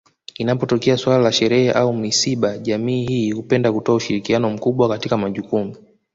Inapotokea suala sherehe au misiba jamii hii hupenda kutoa ushirikiano mkubwa katika majukumu